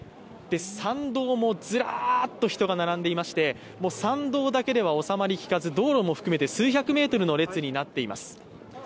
参道もずらっと人が並んでいまして参道だけでは収まりきかず数百メートルの列になっています。